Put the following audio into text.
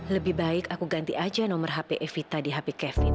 lebih baik aku ganti aja nomor hp evita di hp kevin